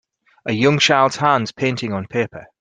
A young child 's hands painting on paper.